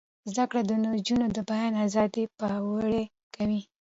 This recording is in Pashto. زده کړه د نجونو د بیان ازادي پیاوړې کوي.